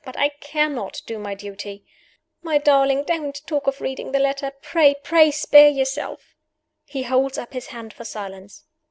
But I cannot do my duty. "My darling, don't talk of reading the letter! Pray, pray spare yourself " He holds up his hand for silence.